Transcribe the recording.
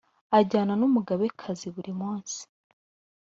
ajyana n umugabekazi buri munsi